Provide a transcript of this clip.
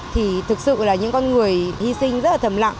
thì thực sự là những con người hy sinh rất là thầm lặng